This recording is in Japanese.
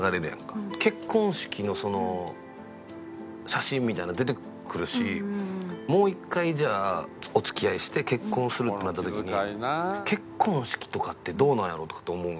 結婚式のその写真みたいなの出てくるしもう一回じゃあお付き合いして結婚するってなった時に結婚式とかってどうなんやろ？とかって思うんよ。